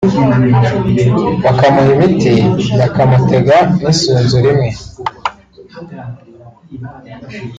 bakamuha imiti bakamutega n’isunzu rimwe